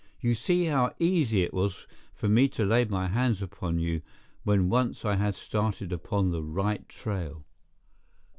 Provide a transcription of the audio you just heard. You see how easy it was for me to lay my hands upon you when once I had started upon the right trail."